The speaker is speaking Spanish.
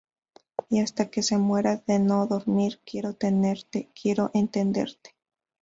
y hasta que me muera de no dormir, quiero tenerte, quiero entenderte.